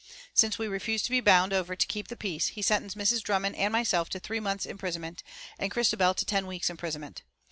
Since we refused to be bound over to keep the peace, he sentenced Mrs. Drummond and myself to three months' imprisonment, and Christabel to ten weeks' imprisonment.